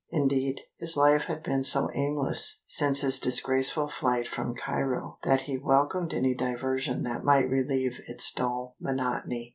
Indeed, his life had been so aimless since his disgraceful flight from Cairo that he welcomed any diversion that might relieve its dull monotony.